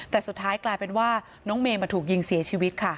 แต่สุดท้ายกลายเป็นว่าน้องเมย์มาถูกยิงเสียชีวิตค่ะ